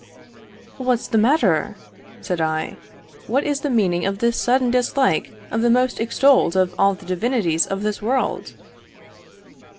"What's the matter?" said I. "What is the meaning of this sudden dislike to the most extolled of all the divinities of this world?"